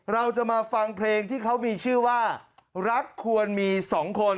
เราจะมาฟังเพลงที่เขามีชื่อว่ารักควรมีสองคน